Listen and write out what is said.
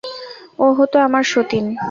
ও হত আমার সতিন।